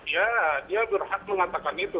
ya dia berhak mengatakan itu